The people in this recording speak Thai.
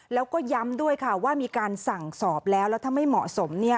แล้วก็ย้ำด้วยค่ะว่ามีการสั่งสอบแล้วแล้วถ้าไม่เหมาะสม